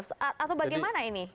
atau bagaimana ini